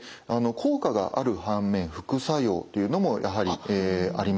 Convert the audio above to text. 効果がある反面副作用というのもやはりあります。